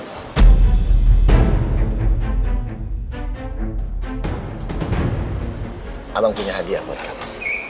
abang punya hadiah buat kamu